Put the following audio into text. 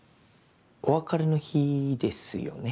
お別れの日ですよね？